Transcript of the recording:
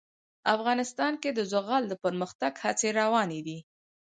افغانستان کې د زغال د پرمختګ هڅې روانې دي.